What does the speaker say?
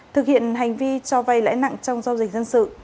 thực hiện hành vi cho vay lãi nặng trong giao dịch dân sự